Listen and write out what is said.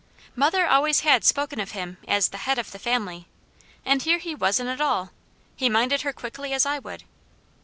Mother always had spoken of him as "the Head of the Family," and here he wasn't at all! He minded her quickly as I would.